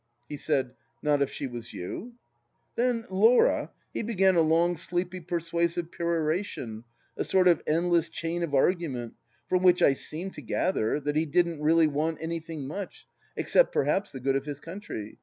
He said :" Not if she was you ?" Then, Laura, he began a long sleepy persuasive perora tion, a sort of endless chain of argument, from which I seemed to gather that he didn't really want anything much, except perhaps the good of his country.